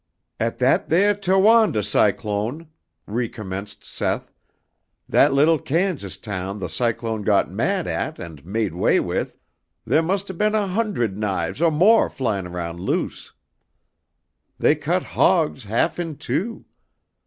"At that theah Towanda cyclone," recommenced Seth, "that little Kansas town the cyclone got mad at and made way with, theah must have been a hundred knives or mo' flyin' around loose. They cut hogs half in two.